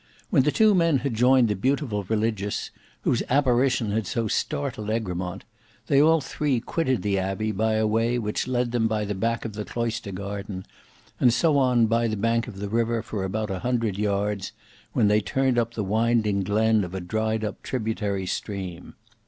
When the two men had joined the beautiful Religious, whose apparition had so startled Egremont, they all three quitted the Abbey by a way which led them by the back of the cloister garden, and so on by the bank of the river for about a hundred yards, when they turned up the winding glen of a dried up tributary stream.